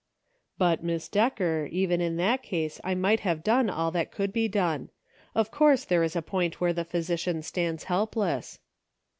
"But, Miss Decker, even in that case I might have done all that could be done. Of course there is a point where the physician stands helpless."